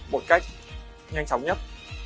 một cách nhanh chóng nhất